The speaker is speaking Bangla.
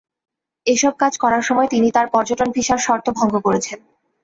এসব কাজ করার সময় তিনি তাঁর পর্যটন ভিসার শর্ত ভঙ্গ করেছেন।